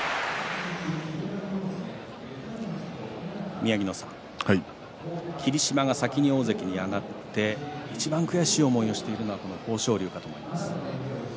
宮城野さん霧島が先に大関に上がっていちばん悔しい思いをしているのは、この豊昇龍かと思います。